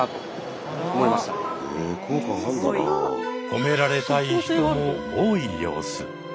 褒められたい人も多い様子。